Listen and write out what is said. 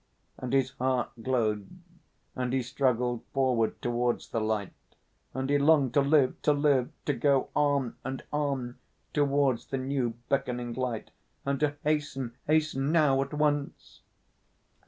And his heart glowed, and he struggled forward towards the light, and he longed to live, to live, to go on and on, towards the new, beckoning light, and to hasten, hasten, now, at once!